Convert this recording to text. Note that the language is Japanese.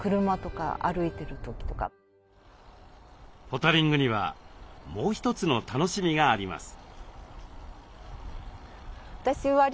ポタリングにはもう一つの楽しみがあります。